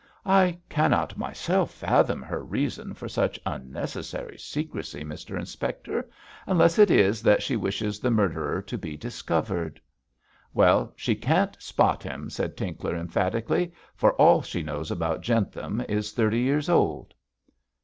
'I cannot myself fathom her reason for such unnecessary secrecy, Mr Inspector; unless it is that she wishes the murderer to be discovered.' 'Well, she can't spot him,' said Tinkler, emphatically, 'for all she knows about Jentham is thirty years old.'